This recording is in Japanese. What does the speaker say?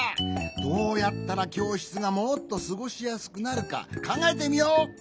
どうやったらきょうしつがもっとすごしやすくなるかかんがえてみよう！